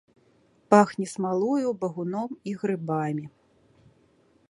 Пахне смалою, багуном і грыбамі.